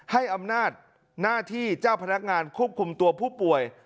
ให้อำนาจหน้าที่เจ้าพนักงานควบคุมตัวผู้ป่วย